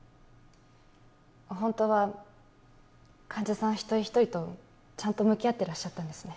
ホントは患者さん一人一人とちゃんと向き合ってらっしゃったんですね